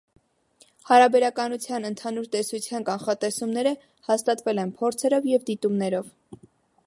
Հարաբերականության ընդհանուր տեսության կանխատեսումները հաստատվել են փորձերով և դիտումներով։